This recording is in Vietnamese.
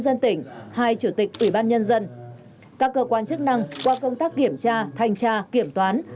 dân tỉnh hai chủ tịch ủy ban nhân dân các cơ quan chức năng qua công tác kiểm tra thanh tra kiểm toán